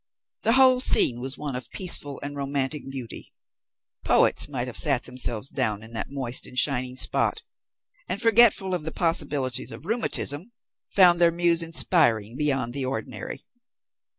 The whole scene was one of peaceful and romantic beauty. Poets might have sat themselves down in that moist and shining spot; and, forgetful of the possibilities of rheumatism, found their muse inspiring beyond the ordinary.